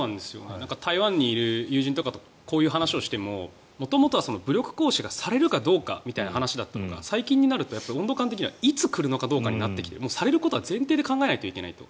台湾にいる友人とかとこういう話をしても元々は武力行使がされるかどうかという話だったのが最近になると温度感的にはいつかという話になってきてされることは前提で考えないといけないと。